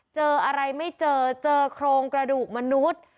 เจออะไรไม่เจอเจอโครงกระดูกมนุษย์